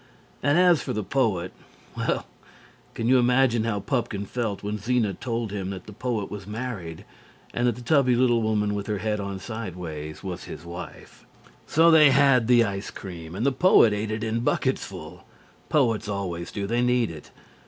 And as for the poet well, can you imagine how Pupkin felt when Zena told him that the poet was married, and that the tubby little woman with her head on sideways was his wife? So they had the ice cream, and the poet ate it in bucketsful. Poets always do. They need it.